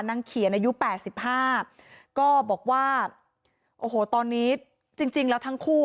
นางเขียนอายุ๘๕ก็บอกว่าโอ้โหตอนนี้จริงแล้วทั้งคู่อ่ะ